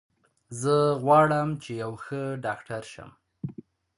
زه غواړم چې یو ښه ډاکټر شم